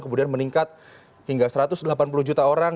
kemudian meningkat hingga satu ratus delapan puluh juta orang